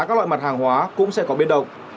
các loại mặt hàng hóa cũng sẽ có biến động